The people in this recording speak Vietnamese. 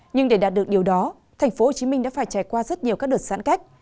nhưng để đạt được điều đó tp hcm đã phải trải qua rất nhiều các đợt sẵn cách